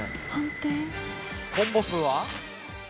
コンボ数は。